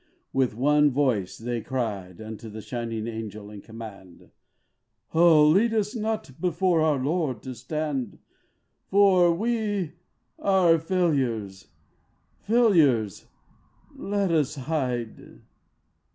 With one voice they cried Unto the shining Angel in command: 'Oh, lead us not before our Lord to stand, For we are failures, failures! Let us hide.